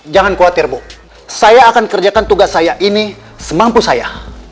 jangan khawatir bu saya akan kerjakan tugas saya ini semampu saya